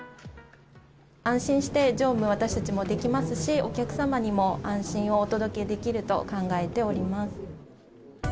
安心して乗務を私たちもできますし、お客様にも安心をお届けできると考えております。